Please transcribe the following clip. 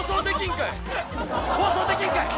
放送できるんかい！